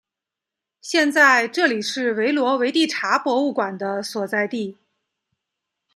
现在这里是维罗维蒂察博物馆的所在地。